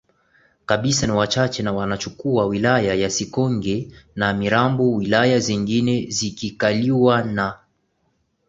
kabisa ni wachache na wanachukua wilaya ya Sikonge na Mirambo wilaya zingine zikikaliwa na